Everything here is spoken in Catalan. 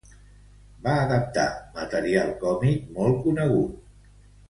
Va adaptar material còmic molt conegut.